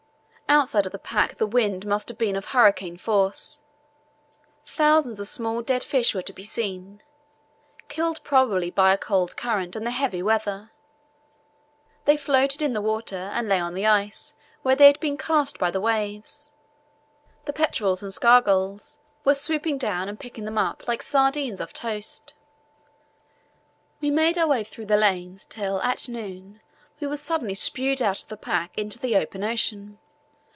Outside of the pack the wind must have been of hurricane force. Thousands of small dead fish were to be seen, killed probably by a cold current and the heavy weather. They floated in the water and lay on the ice, where they had been cast by the waves. The petrels and skua gulls were swooping down and picking them up like sardines off toast. We made our way through the lanes till at noon we were suddenly spewed out of the pack into the open ocean.